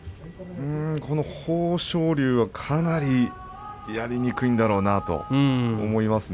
豊昇龍はかなりやりにくいだろうなと思いますね